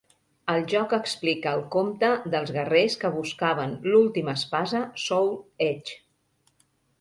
El joc explica el comte dels guerrers que buscaven l"última espasa, "Soul Edge".